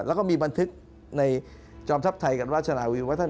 แล้วก็มีบันทึกในจอมทัพไทยกับราชนาวีว่าท่าน